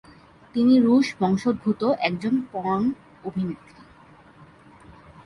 তিনি রুশ বংশোদ্ভূত একজন পর্ন অভিনেত্রী।